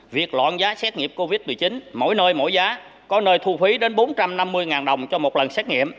việc loạn giá xét nghiệm covid một mươi chín mỗi nơi mỗi giá có nơi thu phí đến bốn trăm năm mươi đồng cho một lần xét nghiệm